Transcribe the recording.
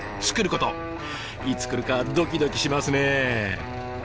いつくるかドキドキしますね。